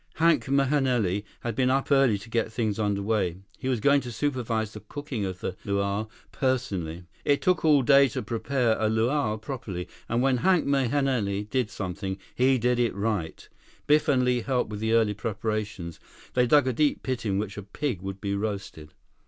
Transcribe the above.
Hank Mahenili had been up early to get things under way. He was going to supervise the cooking of the luau personally. It took all day to prepare a luau properly, and when Hank Mahenili did something, he did it right. Biff and Li helped with the early preparations. They dug a deep pit in which a pig would be roasted.